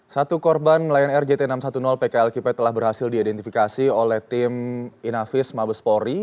satu korban lion air jt enam ratus sepuluh pklkp telah berhasil diidentifikasi oleh tim inafis mabespori